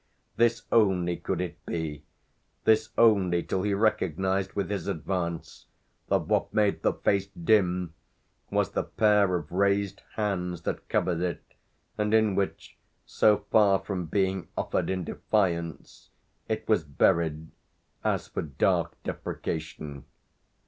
This only could it be this only till he recognised, with his advance, that what made the face dim was the pair of raised hands that covered it and in which, so far from being offered in defiance, it was buried, as for dark deprecation.